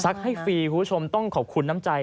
พวกผู้ที่ฟรีคุณผู้ชมต้องขอบคุณน้ำใจ